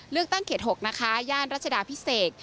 เลือกตั้งเขต๖นะคะย่านรัชดาพิเศษ